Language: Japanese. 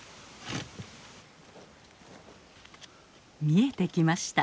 見えてきました。